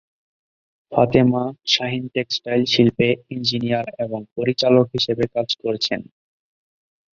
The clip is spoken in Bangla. ফাতেমা শাহিন টেক্সটাইল শিল্পে ইঞ্জিনিয়ার এবং পরিচালক হিসাবে কাজ করেছেন।